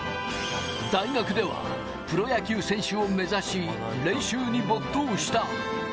大学ではプロ野球選手を目指し、練習に没頭した。